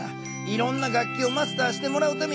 いろんな楽器をマスターしてもらうためやで。